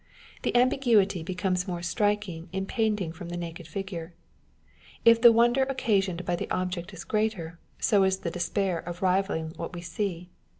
The ambiguity be comes more striking in painting from the naked figure. If the wonder occasioned by the object is greater, so is the despair of rivalling what we see.